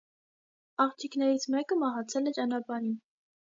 Աղջիկներից մեկը մահացել է ճանապարհին։